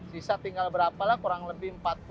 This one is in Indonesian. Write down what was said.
bisa tinggal berapa lah kurang lebih